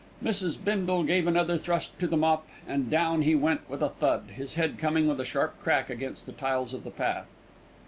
Mrs. Bindle gave another thrust to the mop, and down he went with a thud, his head coming with a sharp crack against the tiles of the path.